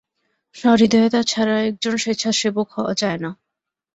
সহৃদয়তা ছাড়া একজন স্বেচ্ছাসেবক হওয়া যায় না।